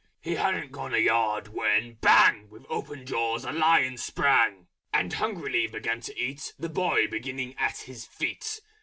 He hadn't gone a yard when Bang! With open Jaws, a Lion sprang, And hungrily began to eat The Boy: beginning at his feet.